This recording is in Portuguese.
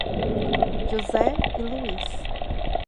José e Luiz